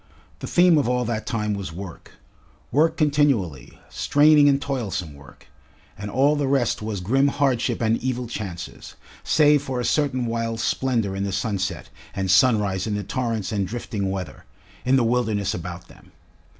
The theme of all that time was work, work continually, straining and toilsome work, and all the rest was grim hardship and evil chances, save for a certain wild splendour in the sunset and sunrise in the torrents and drifting weather, in the wilderness about them.